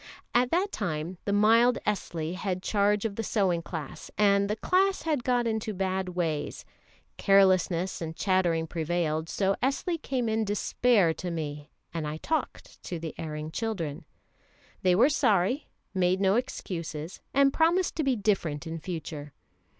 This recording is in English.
At that time the mild Esli had charge of the sewing class, and the class had got into bad ways; carelessness and chattering prevailed, so Esli came in despair to me, and I talked to the erring children. They were sorry, made no excuses, and promised to be different in future.